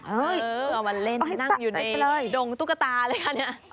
เออเอามาเล่นนั่งอยู่ในดงตุ๊กตาเลยค่ะ